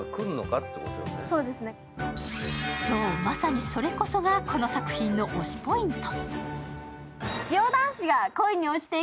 そう、まさにそれこそがこの作品の推しポイント。